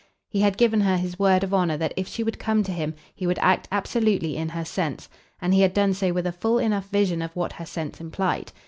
He had given her his word of honour that if she would come to him he would act absolutely in her sense, and he had done so with a full enough vision of what her sense implied.